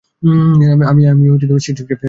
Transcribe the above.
আমার মীট স্টিক্সের ভেস্টটা কোথায়?